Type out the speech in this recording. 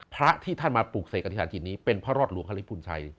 พระที่ท่านมาปลูกเสกอธิษาจิตนี้เป็นพระรอดหลวงฮริปุณชัย